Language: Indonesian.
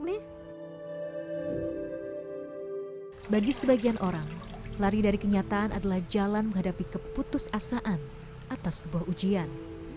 nih bagi sebagian orang lari dari kenyataan adalah jalan menghadapi keputusasaan atas sebuah ujian